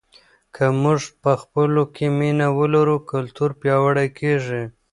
که موږ په خپلو کې مینه ولرو کلتور پیاوړی کیږي.